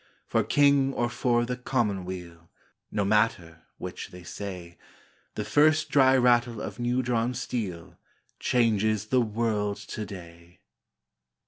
For King or for the Commonweal No matter which they say, The first dry rattle of new drawn steel Changes the world to day